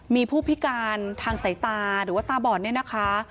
มีผู้พิการทางสายตาหรือว่าตาบ่อนเนี่ยนะคะ